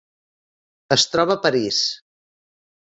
Es troba a París.